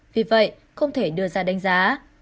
vì vậy không thể đưa ra đánh giá